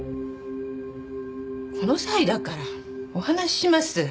この際だからお話しします。